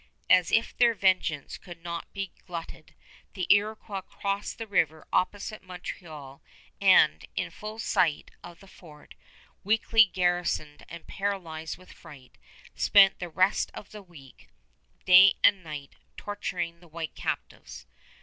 As if their vengeance could not be glutted, the Iroquois crossed the river opposite Montreal, and, in full sight of the fort, weakly garrisoned and paralyzed with fright, spent the rest of the week, day and night, torturing the white captives.